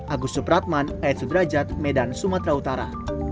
agus supratman ayat sudrajat medan sumatera utara